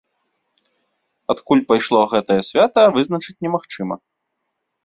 Адкуль пайшло гэтае свята, вызначыць немагчыма.